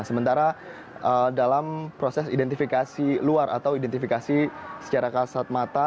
sementara dalam proses identifikasi luar atau identifikasi secara kasat mata